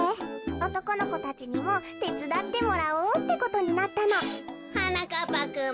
おとこのこたちにもてつだってもらおうってことになったの。はなかっぱくん